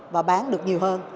và bán được nhiều hơn